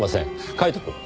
カイトくん。